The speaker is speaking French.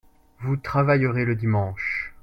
Vous travaillerez le dimanche